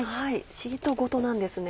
シートごとなんですね。